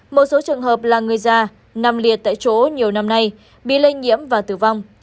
một số trường hợp là người già nằm liệt tại chỗ nhiều năm nay bị lây nhiễm và tử vong